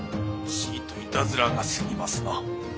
ちいといたずらがすぎますな。